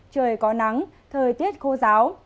trời có nắng thời tiết khô giáo